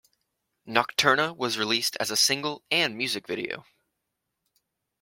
"Nocturna" was released as a single and music video.